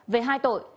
về hai tội